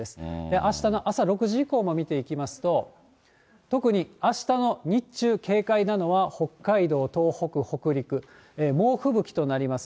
あしたの朝６時以降も見ていきますと、特にあしたの日中、警戒なのは、北海道、東北、北陸、猛吹雪となります。